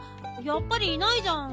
やっぱりいないじゃん